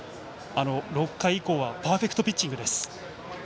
６回以降はパーフェクトピッチングです。